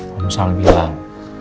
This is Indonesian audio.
jadi om sam bilang